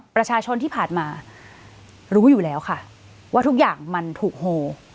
ประชาชนที่ผ่านมารู้อยู่แล้วค่ะว่าทุกอย่างมันถูกโห